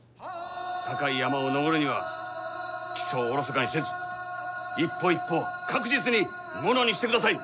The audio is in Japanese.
高い山を登るには基礎をおろそかにせず一歩一歩確実にものにしてください。